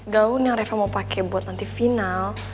gaun yang reva mau pakai buat nanti final